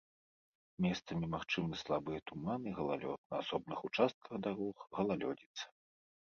Месцамі магчымы слабыя туман і галалёд, на асобных участках дарог галалёдзіца.